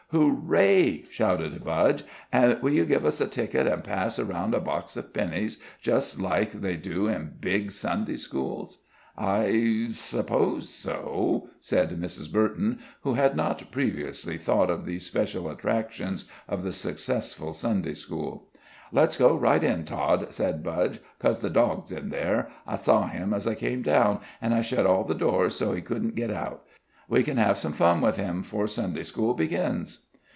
"Hooray!" shouted Budge. "An' will you give us a ticket an' pass around a box for pennies, just like they do in big Sunday schools?" "I suppose so," said Mrs. Burton, who had not previously thought of these special attractions of the successful Sunday school. "Let's go right in, Tod," said Budge,"'cause the dog's in there. I saw him as I came down, and I shut all the doors, so he couldn't get out. We can have some fun with him 'fore Sunday school begins."